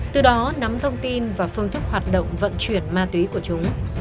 từ đó nắm thông tin và phương thức hoạt động vận chuyển ma túy của chúng